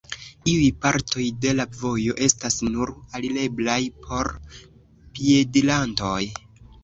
Iuj partoj de la vojo estas nur alireblaj por piedirantoj.